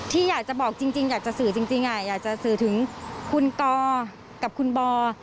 ที่อยากจะบอกจริงอยากจะสื่อจริงอยากจะสื่อถึงคุณกอกับคุณบอ